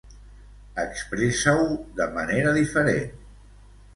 Expressa-ho de manera diferent.